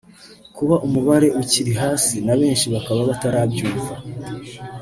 Kuba umubare ukiri hasi na benshi bakaba batarabyumva